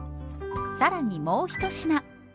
更にもう一品。